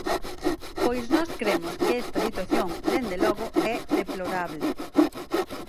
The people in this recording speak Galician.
Pois nós cremos que esta situación, dende logo, é deplorable.